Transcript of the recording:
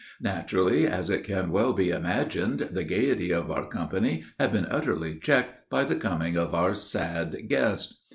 Naturally, as it can well be imagined, the gayety of our company had been utterly checked by the coming of our sad guest.